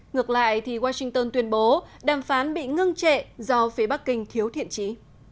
ngược lại washington tuyên bố đàm phán bị ngưng trệ do phía bắc kinh thiếu thiện trí